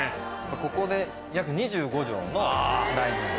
ここで約２５帖のダイニング。